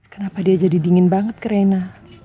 kenapa dia jadi dingin banget ke rena